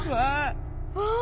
わあ！